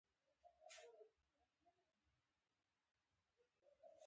د پښتنو په کلتور کې د شعر ژبه ډیره اغیزناکه ده.